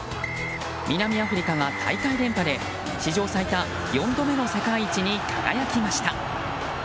南アフリカが大会連覇で史上最多４度目の世界一に輝きました。